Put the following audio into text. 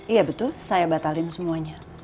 iya betul saya batalin semuanya